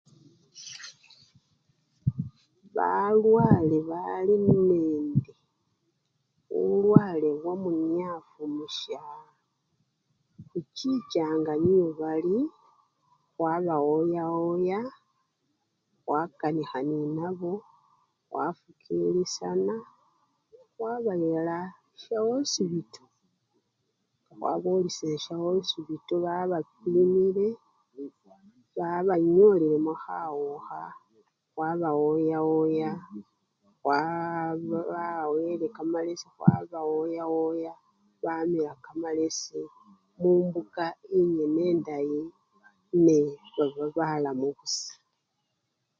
Balwale bali nende bulwale bwamuniafu musyalo, khuchichanga niyo bali khwabawoya woya khwakanikha nenabo khwafukilisyana khwabayila sya khosipito nga khwabolesyile syakhosipito babapimile babanyolilemo khawukha babawoyawoya khwa! babawele kamalesi khwabawoya woya bamila kamalesi mumbuka engene endayi nebaba balamu busa.